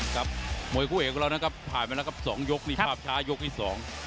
ครับมวยคู่เอกของเรานะครับผ่านไปแล้วครับสองยกนี่ภาพช้ายกที่สอง